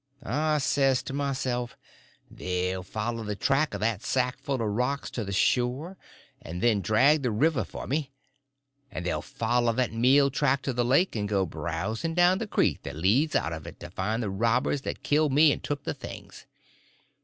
I says to myself, they'll follow the track of that sackful of rocks to the shore and then drag the river for me. And they'll follow that meal track to the lake and go browsing down the creek that leads out of it to find the robbers that killed me and took the things.